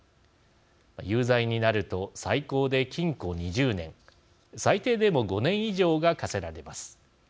有罪になると、最高で禁錮２０年最低でも５年以上が科せられます。